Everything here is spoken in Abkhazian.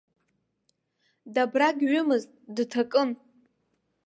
Дабрагьҩымызт, дҭакын.